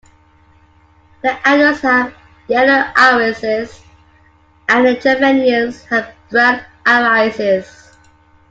The adults have yellow irises and the juveniles have brown irises.